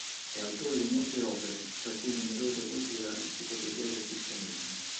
È autore di molte opere, tra cui numerose voci della "Enciclopedia del Cristianesimo.